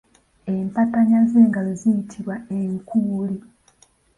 Empataanya z’engalo ziyitibwa enkuuli.